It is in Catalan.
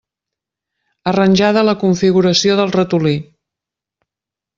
Arranjada la configuració del ratolí.